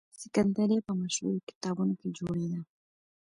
د سکندریه په مشهور کتابتون کې جوړېده.